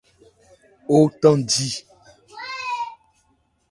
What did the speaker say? O thándi.